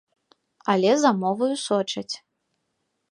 Але за моваю сочаць.